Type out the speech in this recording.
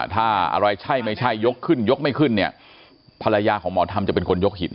ถ้าอะไรใช่ไม่ใช่ยกขึ้นยกไม่ขึ้นเนี่ยภรรยาของหมอธรรมจะเป็นคนยกหิน